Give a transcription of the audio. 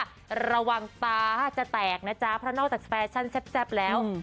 ระวังปลาจะแตกนะจ๊ะเพราะนอกจากแฟชั่นแซ่บแล้ว